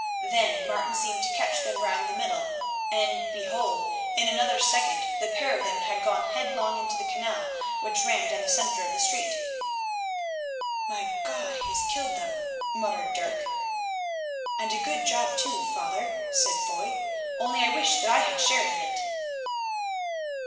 Then Martin seemed to catch them round the middle, and behold! in another second the pair of them had gone headlong into the canal, which ran down the centre of the street. "My God! he has killed them," muttered Dirk. "And a good job, too, father," said Foy, "only I wish that I had shared in it."